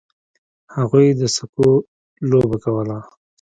هغوی د سکو لوبه کوله.